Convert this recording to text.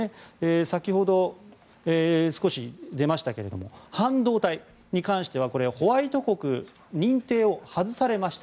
先ほど、少し出ましたけれども半導体に関してはホワイト国認定を外されました。